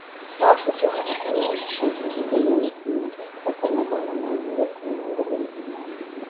Maafisa wanasema ni shilingi bilioni kumi na tatu za Kenya dola mia moja kumi na mbili milioni.